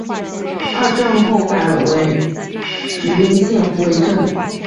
二战后改为云林县虎尾镇。